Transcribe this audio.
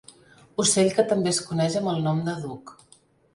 Ocell que també es coneix amb el nom de duc.